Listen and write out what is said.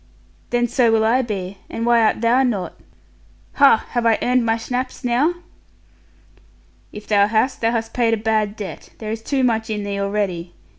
'Then so will I be, and why art thou not? Ha, have I earned my schnapps now?' 'If thou hast, thou hast paid a bad debt; there is too much in thee already.